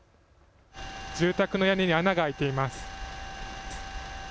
住宅の屋根に穴が開いています。